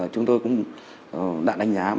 chúng tôi cũng đã đánh giá